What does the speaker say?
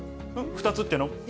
２つっていうのは、今。